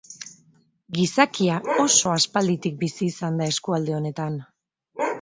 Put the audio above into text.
Gizakia oso aspalditik bizi izan da eskualde honetan.